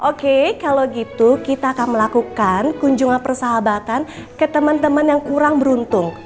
oke kalau gitu kita akan melakukan kunjungan persahabatan ke teman teman yang kurang beruntung